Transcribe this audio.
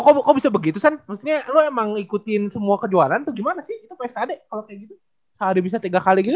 kok bisa begitu san maksudnya lu emang ikutin semua kejuaraan atau gimana sih itu pskad kalo kayak gitu